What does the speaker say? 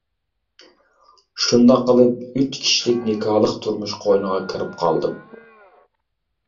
شۇنداق قىلىپ ئۈچ كىشىلىك نىكاھلىق تۇرمۇش قوينىغا كىرىپ قالدىم.